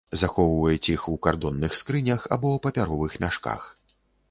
Захоўваюць іх у кардонных скрынях або папяровых мяшках.